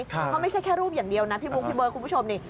เพราะไม่ใช่แค่รูปอย่างเดียวนะพี่บุ๊คพี่เบิร์ดคุณผู้ชมนี่